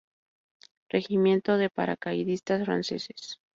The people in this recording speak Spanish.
Regimiento de Paracaidistas franceses.